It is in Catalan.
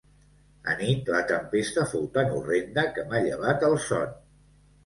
Anit la tempestat fou tan horrenda que m'ha llevat el son.